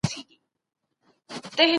هغه د يوازيتوب شپې او ورځې تېروي.